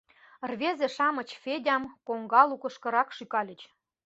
Рвезе-шамыч Федям коҥга лукышкырак шӱкальыч.